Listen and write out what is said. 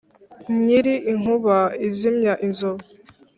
nyiri inkuba izimya inzovu,